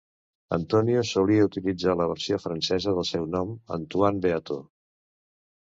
Antonio solia utilitzar la versió francesa del seu nom, Antoine Beato.